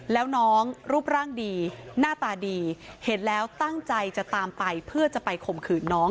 แล้วน้องรูปร่างดีหน้าตาดีเห็นแล้วตั้งใจจะตามไปเพื่อจะไปข่มขืนน้อง